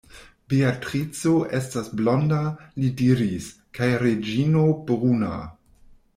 Beatrico estas blonda, li diris, kaj Reĝino bruna.